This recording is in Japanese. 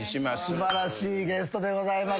素晴らしいゲストでございます。